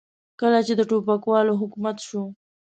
کله چې د ټوپکوالو حکومت شو.